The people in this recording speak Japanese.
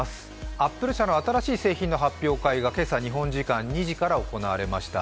アップル社の新しい製品の発表会が日本時間の今朝２時から行われました。